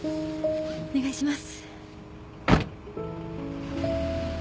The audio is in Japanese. お願いします。